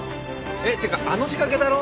えってかあの仕掛けだろ？